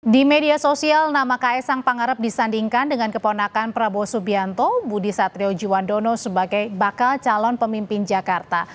di media sosial nama ksang pangarep disandingkan dengan keponakan prabowo subianto budi satriojiwandono sebagai bakal calon pemimpin jakarta